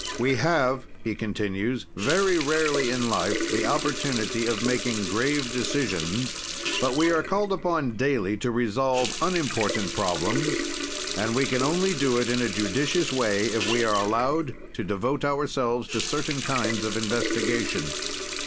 "We have," he continues, "very rarely in life the opportunity of making grave decisions, but we are called upon daily to resolve unimportant problems, and we can only do it in a judicious way, if we are allowed to devote ourselves to certain kinds of investigation.